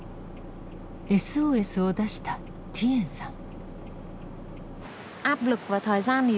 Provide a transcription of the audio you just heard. ＳＯＳを出したティエンさん。